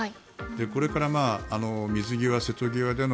これから水際、瀬戸際